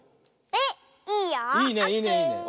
えっいいよ。